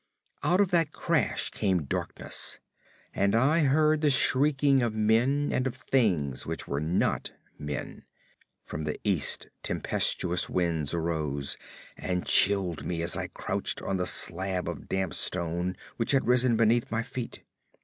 Out of that crash came darkness, and I heard the shrieking of men and of things which were not men. From the East tempestuous winds arose, and chilled me as I crouched on the slab of damp stone which had risen beneath my feet.